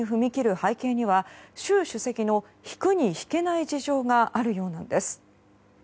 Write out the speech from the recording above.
背景には習主席の引くに引けない事情があるようなんです。